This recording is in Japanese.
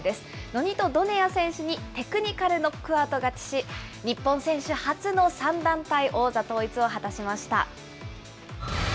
ノニト・ドネア選手にテクニカルノックアウト勝ちし、日本選手初の３団体王座統一を果たしました。